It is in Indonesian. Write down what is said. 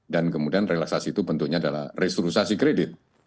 dan kemudian relaksasi itu bentuknya adalah restrukturisasi kredit